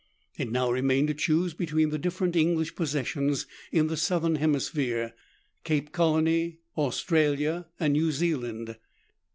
It now re mained to choose between the different English possessions in the Southern hemisphere, Cape Colony, Australia, and New Zealand.